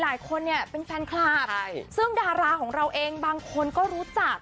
หลายคนเนี่ยเป็นแฟนคลับใช่ซึ่งดาราของเราเองบางคนก็รู้จัก